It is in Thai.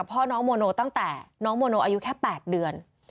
พ่อน้องโมโนตั้งแต่น้องโมโนอายุแค่๘เดือน